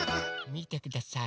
みてください。